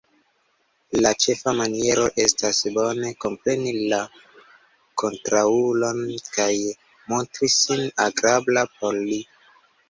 La ĉefa maniero estas bone kompreni la kontraŭulon kaj montri sin agrabla por li.